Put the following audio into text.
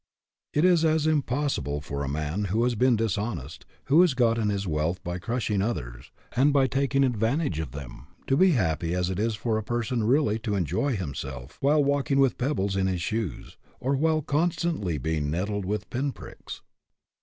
It is as impossible for a man who has been dishonest, who has gotten his wealth by crush HAPPY? IF NOT, WHY NOT? 161 ing others, and by taking advantage of them, to be happy as it is for a person really to en joy himself while walking with pebbles in his shoes, or while constantly being nettled with pin pricks.